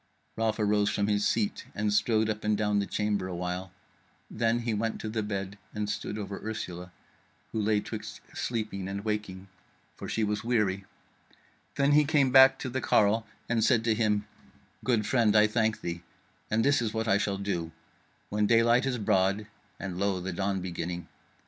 Ralph arose from his seat and strode up and down the chamber a while; then he went to bed, and stood over Ursula, who lay twixt sleeping and waking, for she was weary; then he came back to the carle, and said to him: "Good friend, I thank thee, and this is what I shall do: when daylight is broad (and lo, the dawn beginning!)